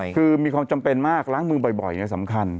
คือมีความจำเป็นมากล้างมือบ่อยไงสำคัญ